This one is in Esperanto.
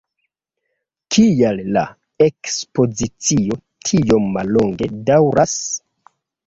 Kial la ekspozicio tiom mallonge daŭras?